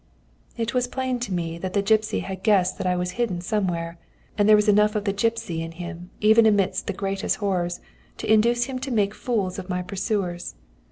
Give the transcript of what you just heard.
"It was plain to me that the gipsy had guessed that I was hidden somewhere, and there was enough of the gipsy in him, even amidst the greatest horrors, to induce him to make fools of my pursuers.